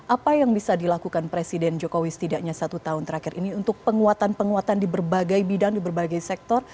apa yang bisa dilakukan presiden jokowi setidaknya satu tahun terakhir ini untuk penguatan penguatan di berbagai bidang di berbagai sektor